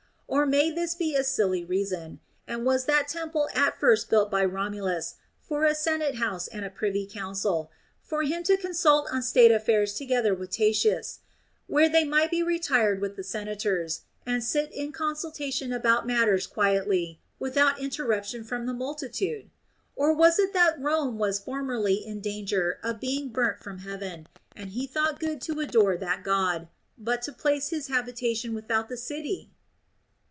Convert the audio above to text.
Or may this be a silly reason ; and was that temple at first built by Romulus for a senate house and a privy council, for him to consult on state affairs together with Tatius, where they might be retired with the senators, and sit in consultation about matters quietly without inter ruption from the multitude? Or was it that Rome was formerly in danger of being burnt from heaven ; and he thought good to adore that God, but to place his habitation without the city